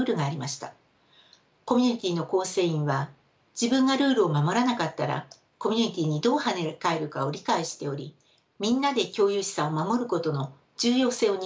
コミュニティーの構成員は自分がルールを守らなかったらコミュニティーにどうはね返るかを理解しておりみんなで共有資産を守ることの重要性を認識していました。